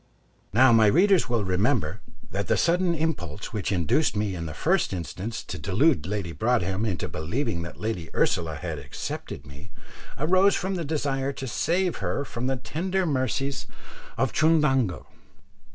Now my readers will remember that the sudden impulse which induced me in the first instance to delude Lady Broadhem into believing that Lady Ursula had accepted me, arose from the desire to save her from the tender mercies of Chundango.